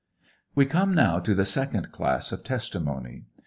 We come now to the second class of testimony.